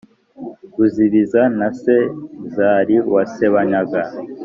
ruzibiza na sezari wa sebanyaga